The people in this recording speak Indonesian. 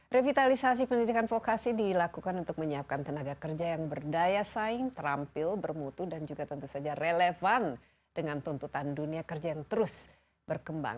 revitalisasi pendidikan vokasi dilakukan untuk menyiapkan tenaga kerja yang berdaya saing terampil bermutu dan juga tentu saja relevan dengan tuntutan dunia kerja yang terus berkembang